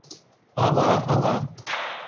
Ала, ала...